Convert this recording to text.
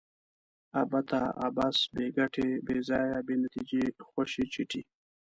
ابته ؛ عبث، بې ګټي، بې ځایه ، بې نتیجې، خوشي چټي